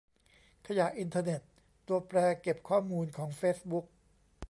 ขยะอินเทอร์เน็ต ตัวแปรเก็บข้อมูลของเฟซบุ๊ก